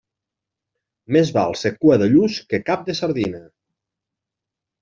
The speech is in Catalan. Més val ser cua de lluç que cap de sardina.